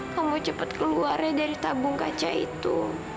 kamu cepat keluarnya dari tabung kaca itu